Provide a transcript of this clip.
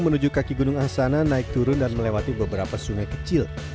menuju kaki gunung angsana naik turun dan melewati beberapa sungai kecil